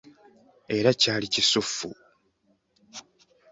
Era kyali kisuffu!